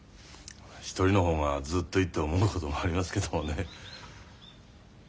一人の方がずっといいって思うこともありますけどもね。